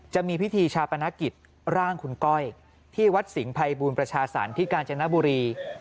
จะมีพิธีชาปนกิจร่างคุณก้อยที่วัดสิงห์ภัยบูรณประชาสรรค์ที่กาญจนบุรี